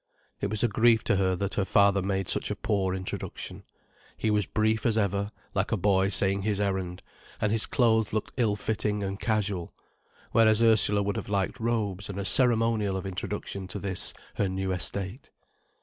It was a grief to her that her father made such a poor introduction. He was brief as ever, like a boy saying his errand, and his clothes looked ill fitting and casual. Whereas Ursula would have liked robes and a ceremonial of introduction to this, her new estate.